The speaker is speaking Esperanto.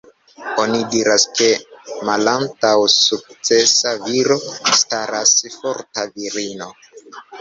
Oni diras, ke malantaŭ sukcesa viro staras forta virino.